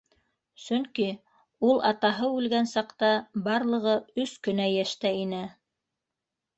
Сөнки ул, атаһы үлгән саҡта, барлығы өс кенә йәштә ине.